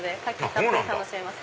たっぷり楽しめます。